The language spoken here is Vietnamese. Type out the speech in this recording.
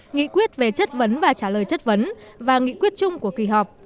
nghị quyết về chất vấn và trả lời chất vấn và nghị quyết chung của kỳ họp